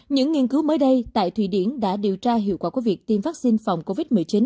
những nghiên cứu mới đây tại thụy điển đã điều tra hiệu quả của việc tiêm vaccine phòng covid một mươi chín